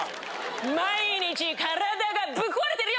毎日体がぶっ壊れてるよ！